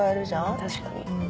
確かに。